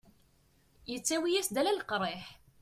Yettawi-as-d ala leqriḥ.